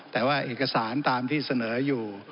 แต่ว่าเอกสารตามที่เสนออยู่